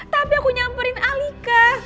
tapi aku nyamperin alika